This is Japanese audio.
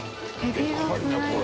でかいねこれ。